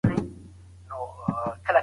مشهورو شخصیتونو نوملړ په لاندی ډول دی: